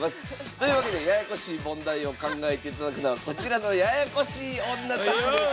というわけでややこしい問題を考えて頂くのはこちらのややこしい女たちです。